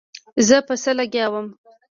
زه په څه لګيا وم.